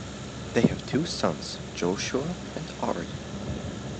They have two sons, Joshua and Ari.